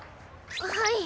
はい。